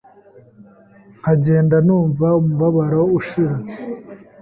nkagenda numva umubabaro ushira